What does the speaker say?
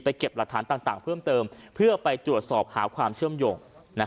เก็บหลักฐานต่างเพิ่มเติมเพื่อไปตรวจสอบหาความเชื่อมโยง